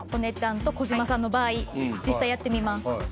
実際やってみます。